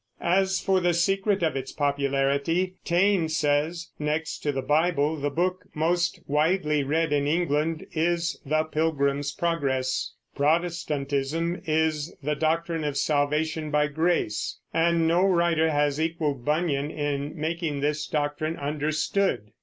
As for the secret of its popularity, Taine says, "Next to the Bible, the book most widely read in England is the Pilgrim's Progress.... Protestantism is the doctrine of salvation by grace, and no writer has equaled Bunyan in making this doctrine understood."